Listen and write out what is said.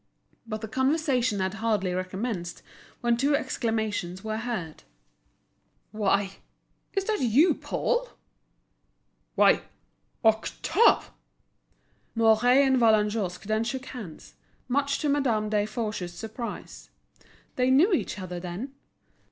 But the conversation had hardly recommenced when two exclamations were heard: "What! Is that you, Paul?" "Why, Octave!" Mouret and Vallagnosc then shook hands, much to Madame Desforges's surprise. They knew each other, then?